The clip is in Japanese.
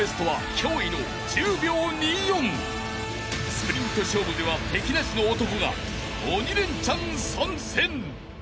［スプリント勝負では敵なしの男が鬼レンチャン参戦］